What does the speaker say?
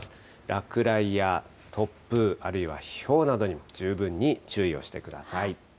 落雷や突風、あるいはひょうなどにも十分に注意をしてください。